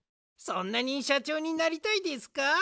そんなにシャチョーになりたいですか？